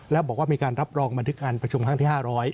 แล้วบอกว่ามีการรับรองบันทึกการประชุมครั้งที่๕๐๐